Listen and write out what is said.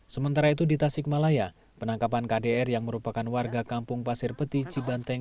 sementara itu di tasikmalaya penangkapan kdr yang merupakan warga kampung pasir peti cibanteng